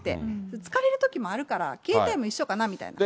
疲れるときもあるから、携帯も一緒かなみたいな。